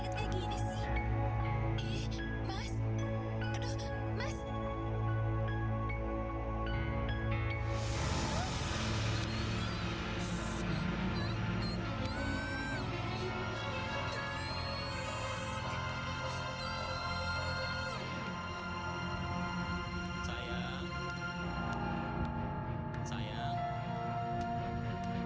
aku akan cari